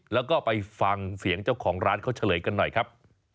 แล้วก็ไปฟังเสียงเจ้าของร้านเขาเฉลยกันหน่อยครับ